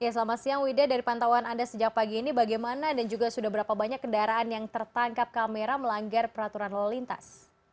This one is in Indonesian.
selamat siang wida dari pantauan anda sejak pagi ini bagaimana dan juga sudah berapa banyak kendaraan yang tertangkap kamera melanggar peraturan lalu lintas